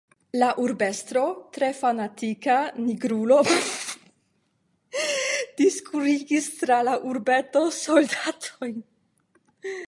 La urbestro, tre fanatika Nigrulo, diskurigis tra la urbeto soldatojn.